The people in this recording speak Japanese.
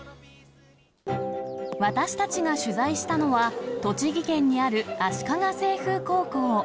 私たちが取材したのは、栃木県にある、足利清風高校。